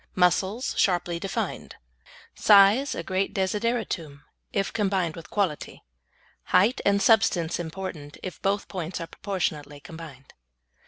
Muscles sharply defined. Size a great desideratum, if combined with quality. Height and substance important if both points are proportionately combined.